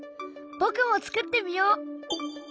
僕も作ってみよう！